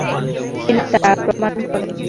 তিনি তা প্রমাণ করেন।